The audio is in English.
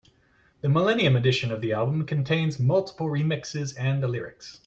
The millennium edition of the album contains multiple remixes and the lyrics.